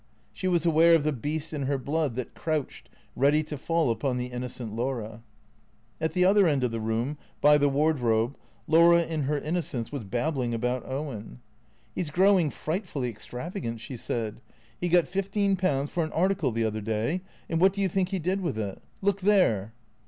She was aware of the beast in her blood that crouched, ready to fall upon the innocent Laura. At the other end of the room, by the wardrobe, Laura, in her innocence, was babbling about Owen. " He 's growing frightfully extravagant," she said. " He got fifteen pounds for an article the other day, and what do you think he did with it ? Look there